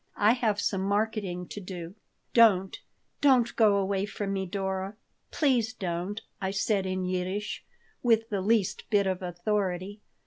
"I have some marketing to do." "Don't. Don't go away from me, Dora. Please don't," I said in Yiddish, with the least bit of authority.